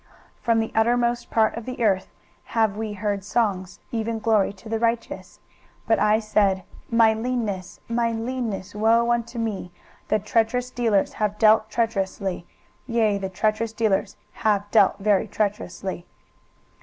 23:024:016 From the uttermost part of the earth have we heard songs, even glory to the righteous. But I said, My leanness, my leanness, woe unto me! the treacherous dealers have dealt treacherously; yea, the treacherous dealers have dealt very treacherously.